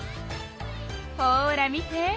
ほら見て。